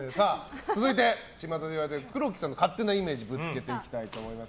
続いて、ちまたで言われている黒木さんの勝手なイメージぶつけていきたいと思います。